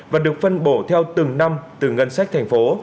và được phân bổ theo từng năm từ ngân sách thành phố